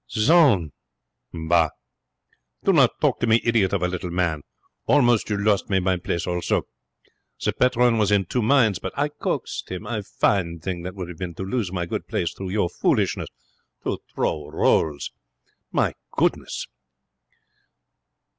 'Jeanne!' 'Bah! Do not talk to me, idiot of a little man. Almost you lost me my place also. The patron was in two minds. But I coaxed him. A fine thing that would have been, to lose my good place through your foolishness. To throw rolls. My goodness!'